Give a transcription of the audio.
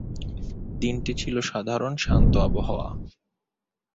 দিনটি ছিল সাধারণ, শান্ত আবহাওয়ার।